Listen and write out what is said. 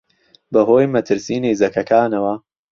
بە هۆی مەترسیی نەیزەکەکانەوە